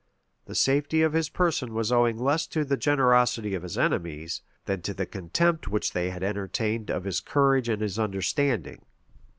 [] The safety of his person was owing less to the generosity of his enemies, than to the contempt which they had entertained of his courage and his understanding.